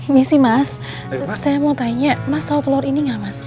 mbak saya mau tanya tahu telur ini